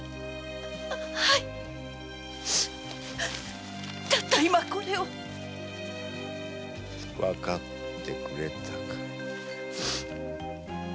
はいたった今これをわかってくれたか。